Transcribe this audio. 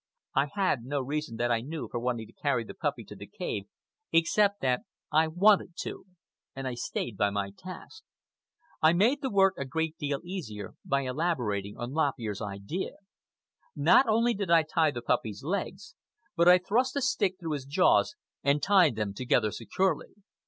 I had no reason that I knew for wanting to carry the puppy to the cave, except that I wanted to; and I stayed by my task. I made the work a great deal easier by elaborating on Lop Ear's idea. Not only did I tie the puppy's legs, but I thrust a stick through his jaws and tied them together securely.